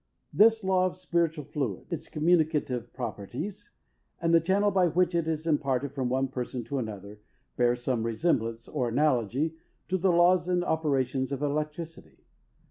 This law of spiritual fluid, its communicative properties, and the channel by which it is imparted from one person to another, bear some resemblance, or analogy, to the laws and operations of electricity.